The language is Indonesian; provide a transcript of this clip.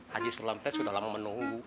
haji sulantek sudah lama menunggu